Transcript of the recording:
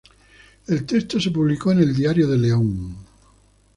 El texto se publicó en el "Diario de León".